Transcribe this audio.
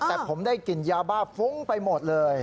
แต่ผมได้กลิ่นยาบ้าฟุ้งไปหมดเลย